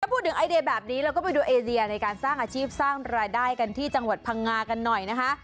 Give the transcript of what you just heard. พูดถึงไอเดียแบบนี้เราก็ไปดูไอเดียในการสร้างอาชีพสร้างรายได้กันที่จังหวัดพังงากันหน่อยนะคะ